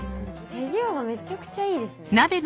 手際がめちゃくちゃいいですね